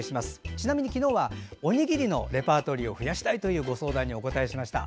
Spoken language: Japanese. ちなみに昨日はおにぎりのレパートリーを増やしたいというご相談にお答えしました。